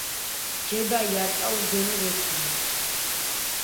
ჯედაი არკა უგონოდ ეცემა.